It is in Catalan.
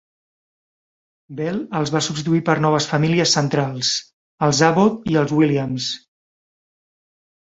Bell els va substituir per noves famílies centrals, els Abbott i els Williams.